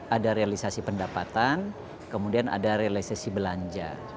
ada realisasi pendapatan kemudian ada realisasi belanja